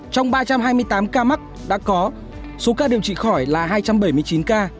trong ba trăm hai mươi tám ca mắc đã có số ca điều trị khỏi là hai trăm bảy mươi chín ca